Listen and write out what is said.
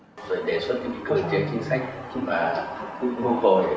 rồi đề xuất những cơ chế chính sách và cũng vô hồi đảm nhận được cần phải vận hành của tất cả mọi người